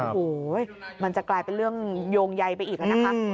โอ้โหมันจะกลายเป็นเรื่องโยงใยไปอีกนะคะ